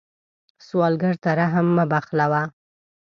سوالګر ته رحم مه بخلوه